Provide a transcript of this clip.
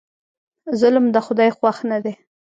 ظلم د خدای خوښ نه دی.